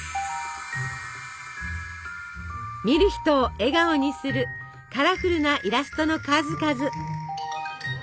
見る人を笑顔にするカラフルなイラストの数々。